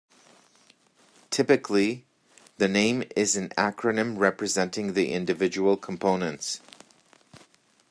Typically, the name is an acronym representing the individual components.